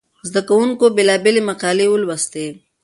زده کوونکو بېلابېلې مقالې ولوستې.